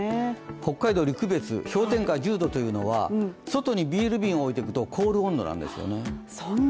北海道陸別氷点下１０度というのは外にビール瓶を置いていくと凍る温度なんですよね。